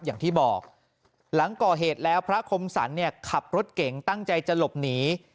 อย่างที่บอกหลังก่อเหตุแล้วพระคมสรรเนี่ยขับรถเก่งตั้งใจจะหลบหนี